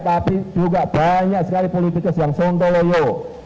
tapi juga banyak sekali politikus yang sontoloyo